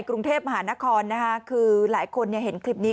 กรุงเทพมหานครนะคะคือหลายคนเห็นคลิปนี้